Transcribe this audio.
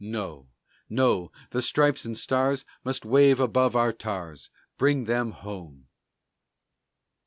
No, no, the Stripes and Stars Must wave above our tars. Bring them home!